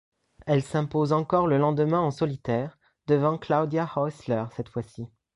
Elle s'impose encore le lendemain en solitaire, devant Claudia Häusler cette fois-ci.